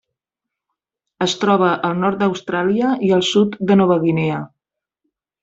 Es troba al nord d'Austràlia i al sud de Nova Guinea.